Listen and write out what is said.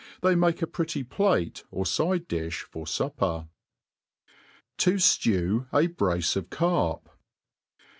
They make a pretty plate or fide difli for f upper. ^ T^JIew a Brace of Carp.